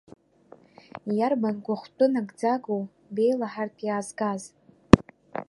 Иарбан гәахәтәы нагӡагоу беилаҳартә иаазгаз?